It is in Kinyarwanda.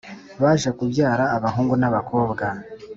baje kubyara abahungu n’abakobwa